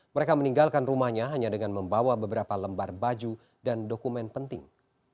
mereka meninggalkan rumahnya hanya dengan membawa beberapa lembar baju dan dokumen penting